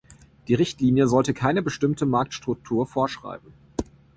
Die Richtlinie sollte keine bestimmte Marktstruktur vorschreiben.